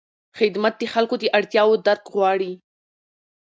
خدمت د خلکو د اړتیاوو درک غواړي.